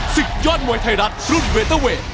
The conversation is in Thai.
ศึกยอดมวยไทยรัฐรุ่นเวเตอร์เวท